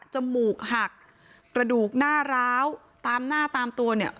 มูกหักกระดูกหน้าร้าวตามหน้าตามตัวเนี่ย